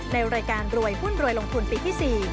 ในรายการรวยหุ้นรวยลงทุนปีที่๔